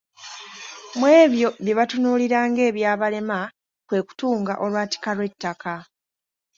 Mu ebyo bye batunuulira ng'ebyabalema kwe kutunga olwatika lw'ettaka.